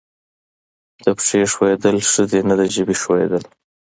د پښې ښویېدل ښه دي نه د ژبې ښویېدل.